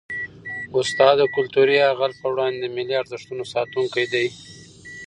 استاد د کلتوري یرغل په وړاندې د ملي ارزښتونو ساتونکی دی.